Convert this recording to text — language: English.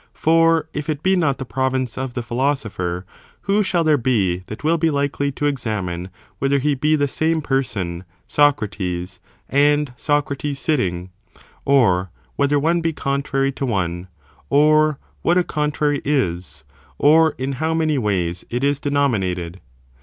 For, if it be not the province Ju^jt^'for the"*" of the philosopher, who shall there be that will ontoiogist, be likely to examine whether he be the same From^he ana person, Socrates, and Socrates sitting; or whether J^gy of number, one be contrary to one, or what a contrary is, or in how many ways it is denominated?